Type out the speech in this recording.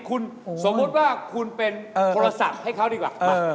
คุณสมมุติว่าคุณเป็นโทรศัพท์ให้เขาดีกว่า